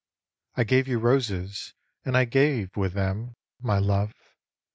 I gave you roses, and I gave with them My love.